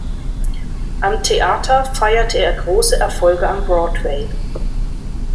Am Theater feierte er große Erfolge am Broadway.